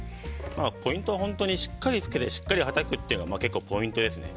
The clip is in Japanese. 本当にしっかりつけてしっかりはたくのが結構ポイントですね。